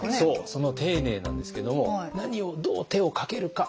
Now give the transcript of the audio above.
その丁寧なんですけども何をどう手をかけるか。